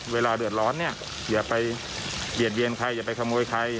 เวลาเดือดร้อนเนี่ยอย่าไปเบียดเวียนใครอย่าไปขโมยใคร